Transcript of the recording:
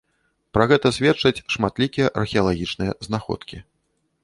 Пра гэта сведчаць шматлікія археалагічныя знаходкі.